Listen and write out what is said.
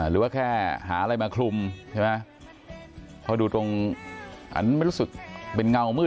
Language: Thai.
หรือว่าแค่หาอะไรมาคลุมใช่ไหมพอดูตรงอันนั้นไม่รู้สึกเป็นเงามืด